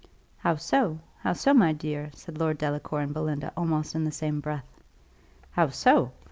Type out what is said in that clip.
"How so? How so, my dear?" said Lord Delacour and Belinda almost in the same breath. "How so?